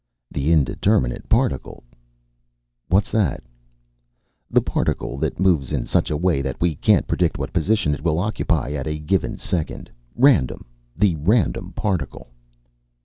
"The indeterminate particle." "What's that?" "The particle that moves in such a way that we can't predict what position it will occupy at a given second. Random. The random particle."